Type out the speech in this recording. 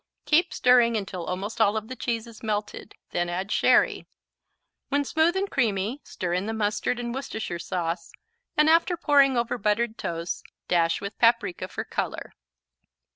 Keep stirring until almost all of the cheese is melted, then add sherry. When smooth and creamy, stir in the mustard and Worcestershire sauce, and after pouring over buttered toast dash with paprika for color.